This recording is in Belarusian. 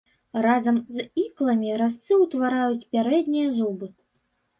Разам з ікламі разцы ўтвараюць пярэднія зубы.